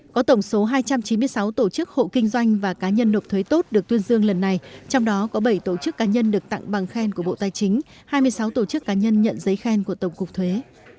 có tổng số hai trăm chín mươi sáu tổ chức hộ kinh doanh và cá nhân nộp thuế tốt được tuyên dương lần này trong đó có bảy tổ chức cá nhân được tặng bằng khen của bộ tài chính hai mươi sáu tổ chức cá nhân nhận giấy khen của tổng cục thuế